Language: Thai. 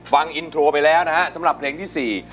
ฟังอินโทรไปแล้วนะฮะสำหรับเพลงที่สี่